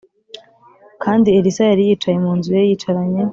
Kandi Elisa Yari Yicaye Mu Nzu Ye Yicaranye